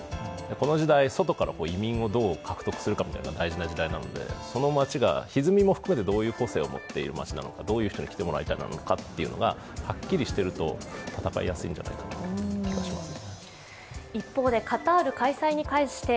この時代、外から移民をどう獲得するかみたいなのが大事な時代なのでその街がひずみも含めてどういう個性を持っている街なのか、どういう人に来てもらいたいか、はっきりしていると、戦いやすいんじゃないかと思います。